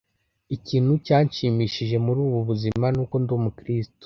” Ikintu cyanshimishije muri ubu buzima nuko ndi umukristo